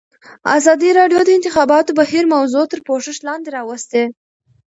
ازادي راډیو د د انتخاباتو بهیر موضوع تر پوښښ لاندې راوستې.